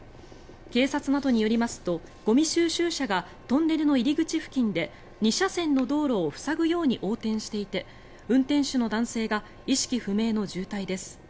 警察などによりますとゴミ収集車がトンネルの入り口付近で２車線の道路を塞ぐように横転していて、運転手の男性が意識不明の重体です。